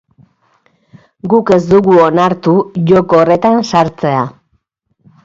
Guk ez dugu onartu joko horretan sartzea.